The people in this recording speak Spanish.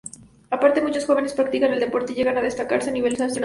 Aparte muchos jóvenes practican el deporte y llegan a destacarse a nivel nacional.